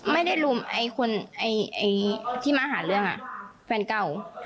ไม่ได้ลุมไอคนที่มาหาเรื่องแฟนเก่า